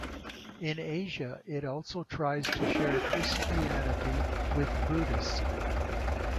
In Asia it also tries to share Christianity with Buddhists.